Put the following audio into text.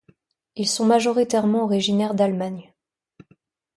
Ils sont majoritairement originaires d'Allemagne.